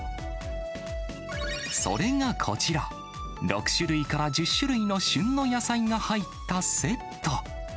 それがこちら、６種類から１０種類の旬の野菜が入ったセット。